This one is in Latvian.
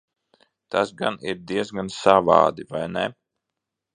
Tas gan ir diezgan savādi, vai ne?